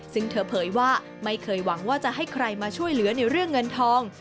ซึ่งเธอเผยว่าไม่เคยหวังว่าจะให้ใครมาช่วยเหลือในเรื่องเงินทอง